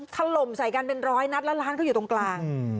ถล่มใส่กันเป็นร้อยนัดแล้วร้านเขาอยู่ตรงกลาง